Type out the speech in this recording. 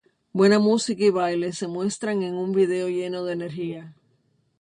Buena música y baile se muestran en un video lleno de energía.